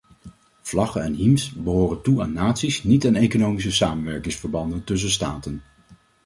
Vlaggen en hymnes behoren toe aan naties, niet aan economische samenwerkingsverbanden tussen staten.